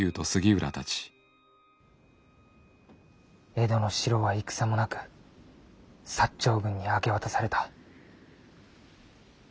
江戸の城は戦もなく長軍に明け渡された。